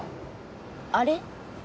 あれ？